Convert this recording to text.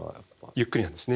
ゆっくりなんですね。